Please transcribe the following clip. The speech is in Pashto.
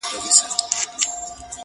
د خیراتونو یې په غوښو غریبان ماړه وه،